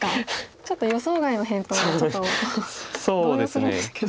ちょっと予想外の返答でちょっと動揺するんですけど。